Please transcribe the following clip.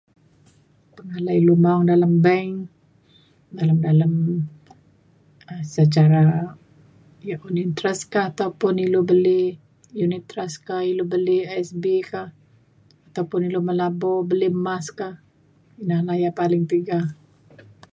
pengalai ilu maong dalem bank dalem dalem um secara yak un interest ka ataupun ilu beli unit trust ka ilu beli ASB ka ataupun ilu melabur beli mas ka ina na yak paling tiga